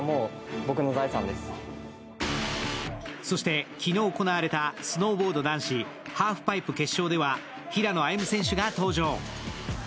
そして昨日行われたスノーボード男子ハーフパイプでは、平野歩夢選手が登場。